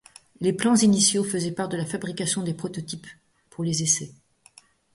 Les plans initiaux faisaient part de la fabrication de prototypes pour les essais.